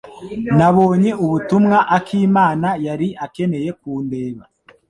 Nabonye ubutumwa akimana yari akeneye kundeba.